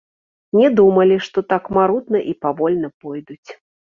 Не думалі, што так марудна і павольна пойдуць.